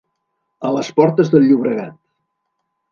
A les portes del Llobregat.